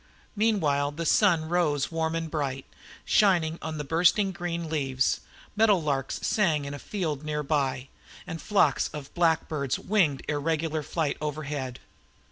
Meanwhile the sun rose warm and bright, shining on the bursting green leaves; meadowlarks sang in a field near by, and flocks of blackbirds winged irregular flight overhead.